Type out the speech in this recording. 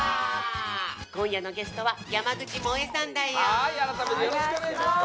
今夜のゲストは山口もえさんだよ。